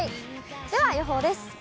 では予報です。